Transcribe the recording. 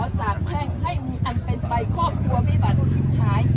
สากแพร่งให้มีอันเป็นใบครอบครัวมีบาททุกชิ้นหาย